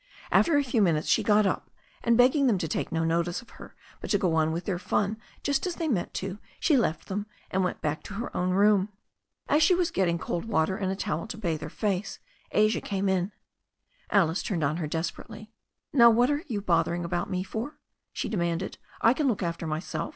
After a few minutes she got up, and begging them to take no notice of her, but to go on with their fun just as they meant to, she left them, and went back to> her own room. As she was getting cold water and a towel to bathe her face Asia came in. Alice turned on her desperately. "Now what are you bothering about me for?" she de* manded. "I can look after myself.